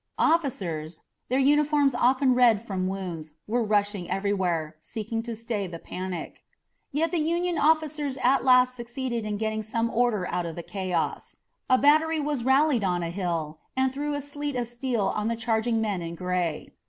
Officers, their uniforms often red from wounds, were rushing everywhere, seeking to stay the panic. Yet the Union officers at last succeeded in getting some order out of the chaos. A battery was rallied on a hill and threw a sleet of steel on the charging men in gray.